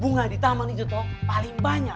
bunga di taman itu toh paling banyak